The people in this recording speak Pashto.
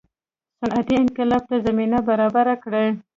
صنعتي انقلاب ته زمینه برابره کړي.